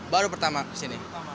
baru pertama kesini